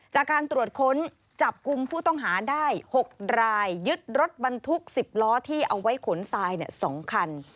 จากการตรวจค้นจับกลุ่มผู้ต้องหาได้๖รายยึดรถบรรทุก๑๐ล้อที่เอาไว้ขนทราย๒คัน